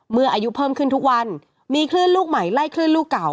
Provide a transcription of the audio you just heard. เมื่ออายุเพิ่มขึ้นทุกวันมีคลื่นลูกใหม่ไล่คลื่นลูกเก่า